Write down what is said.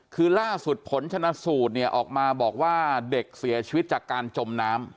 คือล่าสุดผลชนะสูตรเนี่ยออกมาบอกว่าเด็กเสียชีวิตจากการจมน้ำ